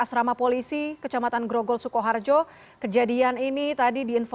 baik pak iqbal